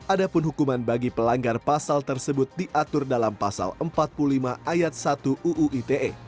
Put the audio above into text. adapun hukuman bagi pelanggar pasal tersebut diatur dalam pasal empat puluh lima ayat satu uu ite